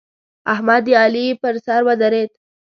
احمد د علي پر سر ودرېد.